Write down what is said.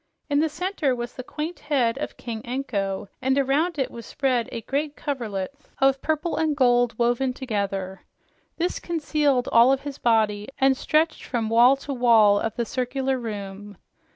In the center was the quaint head of King Anko, and around it was spread a great coverlet of purple and gold woven together. This concealed all of his body and stretched from wall to wall of the circular room.